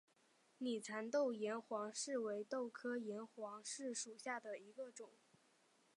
拟蚕豆岩黄耆为豆科岩黄耆属下的一个种。